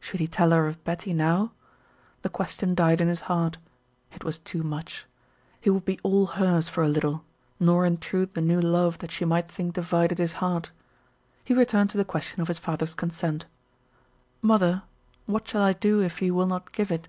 Should he tell her of Betty now? The question died in his heart. It was too much. He would be all hers for a little, nor intrude the new love that she might think divided his heart. He returned to the question of his father's consent. "Mother, what shall I do if he will not give it?"